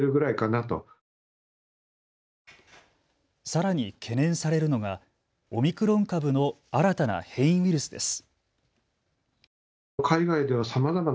さらに懸念されるのがオミクロン株の新たな変異ウイルスです。